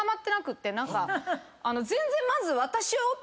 全然まず。